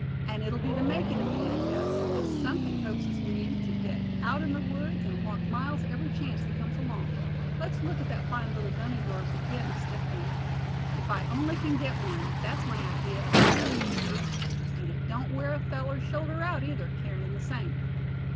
And it'll be the makin' of me, I guess, if somethin' coaxes me to get out in the woods, and walk miles every chance that comes along. Let's look at that fine little gun of yours again, Step Hen. If I only can get one, that's my idea of a clever shooter. And it don't wear a feller's shoulder out, either, carryin' the same."